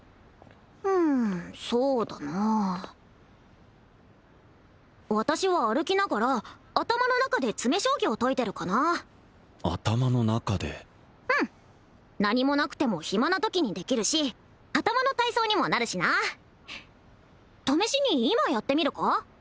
うんそうだな私は歩きながら頭の中で詰め将棋を解いてるかな頭の中でうん何もなくても暇なときにできるし頭の体操にもなるしな試しに今やってみるか？